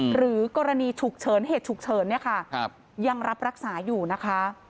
หรือกรณีฉุกเฉินเหตุฉุกเฉินเนี่ยค่ะยังรับรักษาอยู่นะคะ